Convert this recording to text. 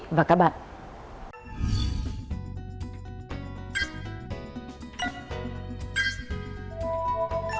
hẹn gặp lại các bạn trong những video tiếp theo